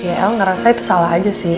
ya aku ngerasa itu salah aja sih